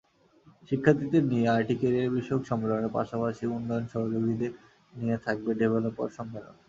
শিক্ষার্থীদের নিয়ে আইটি ক্যারিয়ারবিষয়ক সম্মেলনের পাশাপাশি উন্নয়ন সহযোগীদের নিয়ে থাকবে ডেভেলপার সম্মেলন।